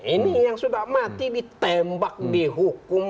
ini yang sudah mati ditembak dihukum